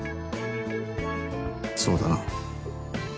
そうだな。